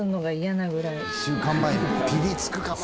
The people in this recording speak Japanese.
２週間前ピリつくかもな